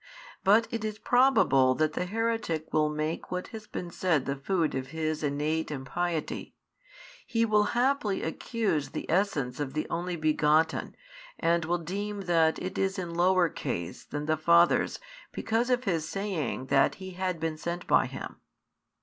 But it is probable that the heretic will make what has been said the food of his innate impiety. He will haply accuse the Essence of the Only Begotten and will deem that it is in lower case than the Father's because of His saying that He had been sent by Him.